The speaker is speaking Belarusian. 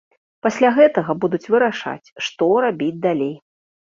Пасля гэтага будуць вырашаць, што рабіць далей.